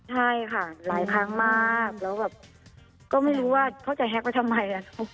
ใช่ค่ะหลายครั้งมากแล้วแบบก็ไม่รู้ว่าเขาจะแฮ็กไว้ทำไม